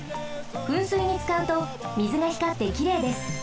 ふんすいにつかうとみずがひかってきれいです。